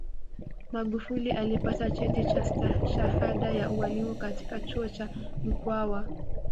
magufuli alipata cheti cha stashahada ya ualimu katika chuo cha mkwawa